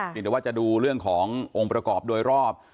เดี๋ยวว่าจะดูเรื่องขององค์ประกอบโดยรอบ